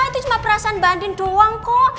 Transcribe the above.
itu cuma perasaan bandin doang kok